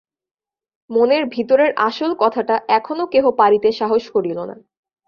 মনের ভিতরের আসল কথাটা এখনো কেহ পাড়িতে সাহস করিল না।